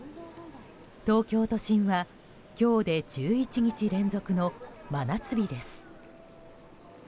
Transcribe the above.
東京都心は今日で１１日連続の真夏日です。